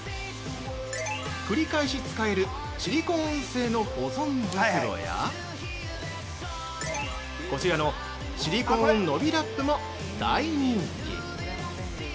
繰り返し使えるシリコーン性の保存袋やこちらのシリコーン伸びラップも大人気。